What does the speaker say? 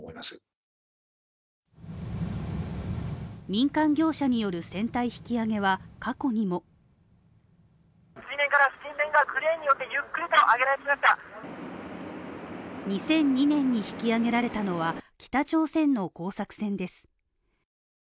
民間業者による船体引き揚げは過去にも２００２年に引き揚げられたのは北朝鮮の工作船です。